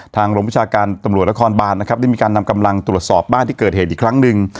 ทางโรงวิชาการตำรวจนครบานนะครับได้มีการนำกำลังตรวจสอบบ้านที่เกิดเหตุอีกครั้งหนึ่ง